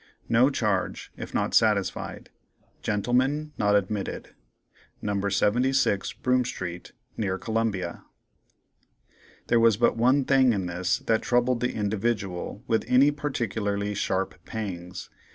No charge, if not satisfied. Gentlemen not admitted. No. 76 Broome street, near Columbia." There was but one thing in this that troubled the "Individual" with any particularly sharp pangs.